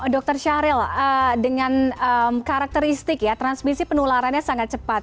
dokter syahril dengan karakteristik ya transmisi penularannya sangat cepat